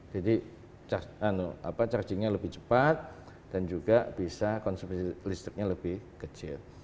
jadi chargingnya lebih cepat dan juga bisa konsumsi listriknya lebih kecil